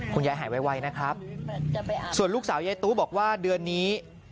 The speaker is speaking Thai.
หายไวนะครับส่วนลูกสาวยายตู้บอกว่าเดือนนี้